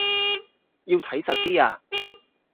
要睇實啲呀